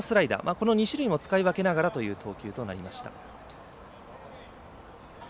この２種類を使い分けながらという投球となりました。